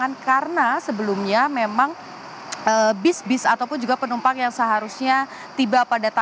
dengan per aman seperti ini mungkinacker ke comic kristen hopefully venice kalau tetap tidak nya hilang sampai t mitts